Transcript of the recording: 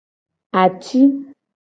Aci.